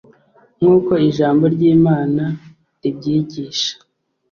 Nk uko ijambo ry imana ribyigisha